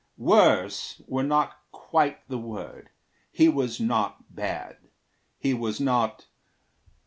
`Worse' were not quite the word: he was not bad; He was not